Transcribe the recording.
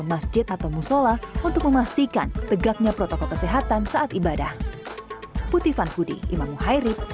masjid atau musola untuk memastikan tegaknya protokol kesehatan saat ibadah